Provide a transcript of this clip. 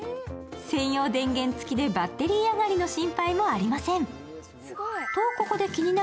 専用電源付きでバッテリー上がりの心配もありません。